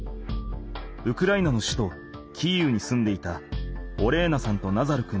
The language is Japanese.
ウクライナの首都キーウに住んでいたオレーナさんとナザル君の親子。